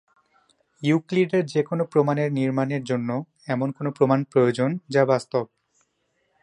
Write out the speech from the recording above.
ইউক্লিডের যে কোন প্রমাণের নির্মাণের জন্য এমন কোন প্রমাণ প্রয়োজন যা বাস্তব।